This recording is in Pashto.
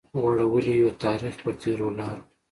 غوړولي يو تاريخ پر تېرو لارو